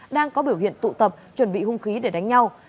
đang có biểu hiện tụ tập chuẩn bị hung khí để đánh nhau